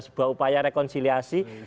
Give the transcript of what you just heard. sebuah upaya rekonsiliasi